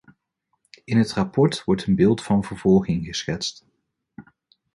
In het rapport wordt een beeld van vervolging geschetst.